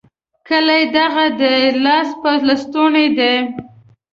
کلی دغه دی؛ لاس په لستوڼي دی.